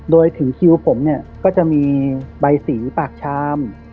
โดยถึงคิวผมเนี่ยก็จะมีใบสีปากชาม